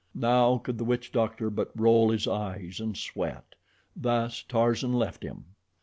Now could the witch doctor but roll his eyes and sweat. Thus Tarzan left him.